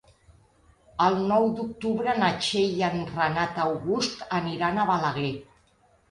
El nou d'octubre na Txell i en Renat August aniran a Balaguer.